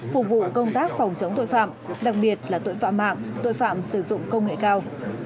phục vụ công tác phòng chống tội phạm đặc biệt là tội phạm mạng tội phạm sử dụng công nghệ cao